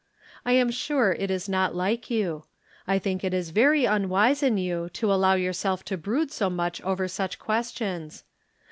I am sure it is not like you. I think it is very unwise in you to allow yourself to brood so much over such questions.